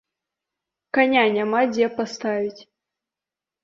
Каня няма дзе паставіць!